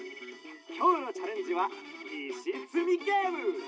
きょうのチャレンジはいしつみゲーム！